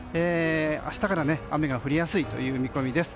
明日から雨が降りやすい見込みです。